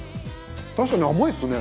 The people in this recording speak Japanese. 確かに甘いですね！